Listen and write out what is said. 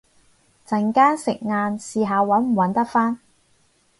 陣間食晏試下搵唔搵得返